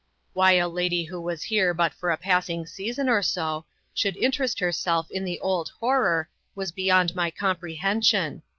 Why a lady who was here but for a passing season or so, should interest herself in the old horror, was beyond my comprehension.